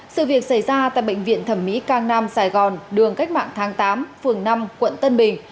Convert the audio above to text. sự việc xảy ra tại bệnh viện thẩm mỹ cang nam sài gòn đường cách mạng tháng tám phường năm quận tân bình